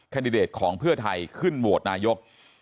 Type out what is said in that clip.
ดิเดตของเพื่อไทยขึ้นโหวตนายก